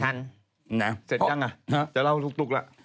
เสร็จยังหรือจะเล่าทุกแล้ว